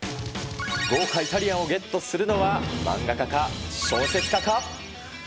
豪華イタリアンをゲットするのは、漫画家か、小説家か？